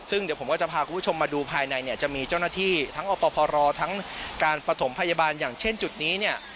ซึ่งเดี๋ยวผมก็จะพาคุณผู้ชมมาดูภายในเนี่ยจะมีเจ้าหน้าที่ทั้งอพรทั้งการประถมพยาบาลอย่างเช่นจุดนี้เนี่ย